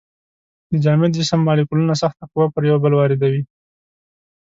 د جامد جسم مالیکولونه سخته قوه پر یو بل واردوي.